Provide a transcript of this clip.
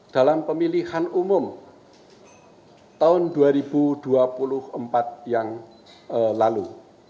dalam pemilihan umum tahun dua ribu dua puluh empat yang lalu